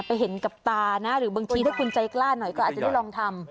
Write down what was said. เห็นกับตานะหรือบางทีถ้าคุณใจกล้าหน่อยก็อาจจะได้ลองทำ